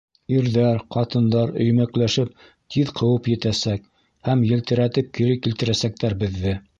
— Ирҙәр, ҡатындар өймәкләшеп тиҙ ҡыуып етәсәк һәм елтерәтеп кире килтерәсәктәр беҙҙе.